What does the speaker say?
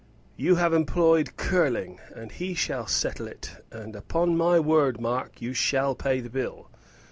You have employed Curling, and he shall settle it; and upon my word, Mark, you shall pay the bill.